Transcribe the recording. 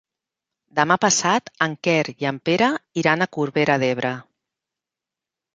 Demà passat en Quer i en Pere iran a Corbera d'Ebre.